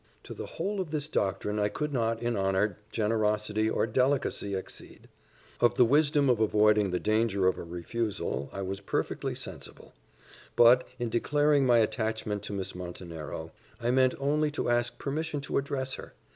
To the whole of this doctrine I could not, in honour, generosity, or delicacy accede. Of the wisdom of avoiding the danger of a refusal I was perfectly sensible; but, in declaring my attachment to Miss Montenero, I meant only to ask permission to address her.